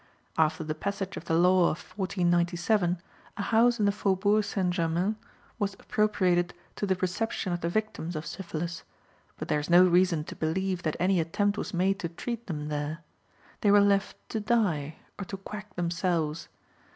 After the passage of the law of 1497, a house in the Faubourg St. Germain was appropriated to the reception of the victims of syphilis; but there is no reason to believe that any attempt was made to treat them there. They were left to die, or to quack themselves.